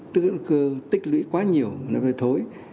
tức là cơ tích lũy quá nhiều nó phải thối